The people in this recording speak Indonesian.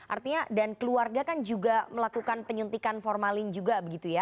artinya dan keluarga kan juga melakukan penyuntikan formalin juga